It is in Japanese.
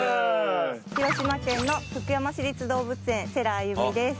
広島県の福山市立動物園世良歩実です